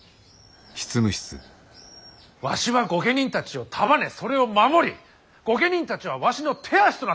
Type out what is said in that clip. わしは御家人たちを束ねそれを守り御家人たちはわしの手足となって働く。